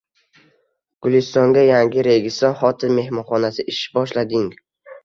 Gulistonda yangi \Registon Hotel\" mehmonxonasi ish boshlading"